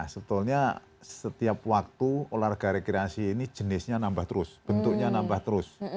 sebetulnya setiap waktu olahraga rekreasi ini jenisnya nambah terus bentuknya nambah terus